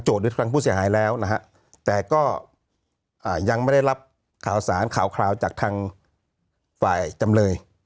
หรือทางผู้เสียหายแล้วนะฮะแต่ก็ยังไม่ได้รับข่าวสารข่าวจากทางฝ่ายจำเลย